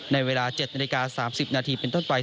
ในเวลา๗นาฬิกา๓๐นาทีเป็นต้นไป